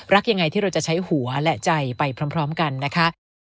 ยังไงที่เราจะใช้หัวและใจไปพร้อมกันนะคะ